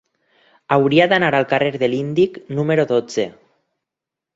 Hauria d'anar al carrer de l'Índic número dotze.